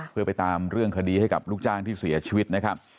เพื่อไปตามเรื่องคดีให้กับลูกจ้างที่เสียชีวิตนะครับ